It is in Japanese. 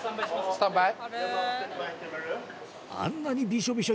スタンバイ？